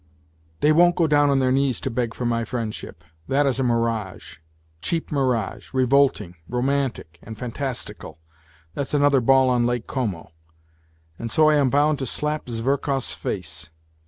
" They won't go down on their knees to beg for my friendship. That is a mirage, cheap mirage, revolting, romantic and fan tastical that's another ball on Lake Como. And so I am bound to slap Zverkov's face